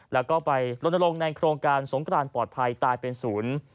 แล้วก็ไปลนลงในโครงการสงกรานปลอดภัยตายเป็นศูนย์